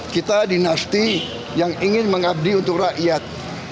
kita dinasti yang ingin mengabdi untuk rakyat